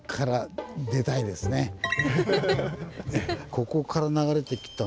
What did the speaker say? ここから流れてきたんですよ。